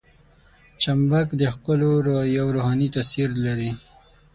چمبک د ښکلا یو روحاني تاثیر لري.